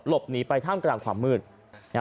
หลบหนีไปทางกลางความมืด